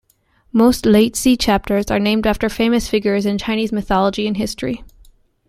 Most "Liezi" chapters are named after famous figures in Chinese mythology and history.